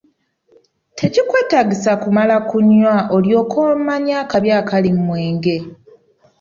Tekikwetaagisa kumala kunywa olyoke omanye akabi akali mu mwenge.